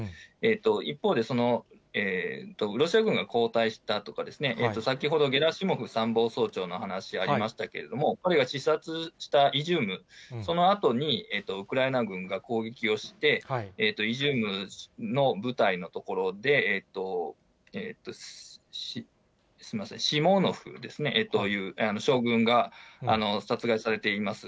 一方でロシア軍が後退したとか、先ほど、ゲラシモフ参謀総長の話ありましたけれども、彼が視察したイジューム、そこをウクライナ軍が攻撃をして、イジュームの部隊の所で、シモノフという将軍が殺害されています。